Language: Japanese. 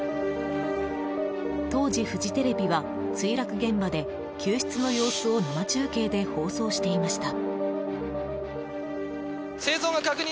当時、フジテレビは墜落現場で救出の様子を生中継で放送していました。